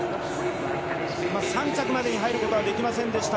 ３着までに入ることはできませんでした。